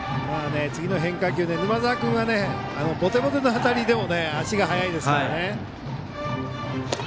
次の変化球で沼澤君はボテボテの当たりでも足が速いですからね。